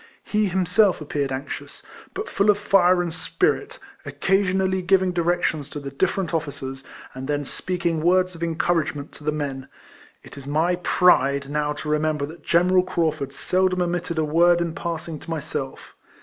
lie him self appeared anxious, but full of fire and spirit, occasionally giving directions to the <lirterent officers, and then speaking words of encouragement to the men. It is my pride now to remember that General Craufurd seldom omitted a word in passing to myself.